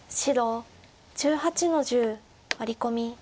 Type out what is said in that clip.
白１８の十ワリコミ。